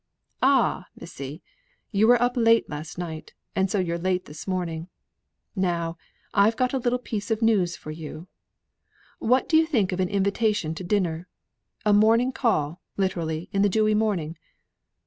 "Ah, Missy! you were up late last night, and so you're late this morning. Now I've got a little piece of news for you. What do you think of an invitation to dinner? a morning call, literally in the dewy morning.